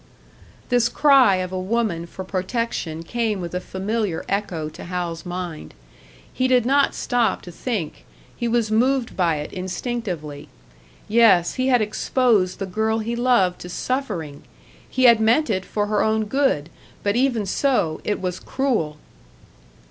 This cry of a woman for protection came with a familiar echo to Hal's mind. He did not stop to think he was moved by it instinctively. Yes, he had exposed the girl he loved to suffering! He had meant it for her own good, but even so, it was cruel!